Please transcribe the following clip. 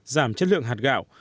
giảm chất lượng hạt gạo